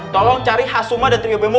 tolong cari hasuma dan trio bembo